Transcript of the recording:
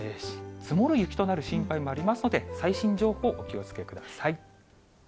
積もる雪となる心配もありますので、最新情報、お気をつけください。